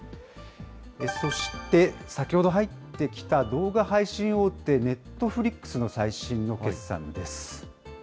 そして、先ほど入ってきた動画配信大手、ネットフリックスの最新の決算です。